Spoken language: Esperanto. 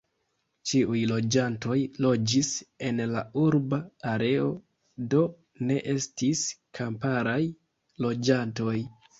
Ĉiuj loĝantoj loĝis en la urba areo, do, ne estis kamparaj loĝantoj.